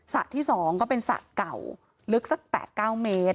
ที่๒ก็เป็นสระเก่าลึกสัก๘๙เมตร